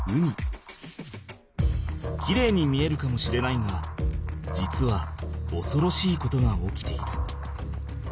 きれいに見えるかもしれないが実はおそろしいことが起きている。